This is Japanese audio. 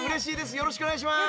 よろしくお願いします。